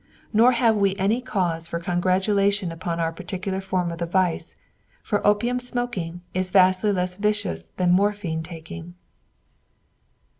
Nor have we any cause for congratulation upon our particular form of the vice, for opium smoking is vastly less vicious than morphine taking.